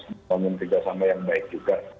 membangun kerjasama yang baik juga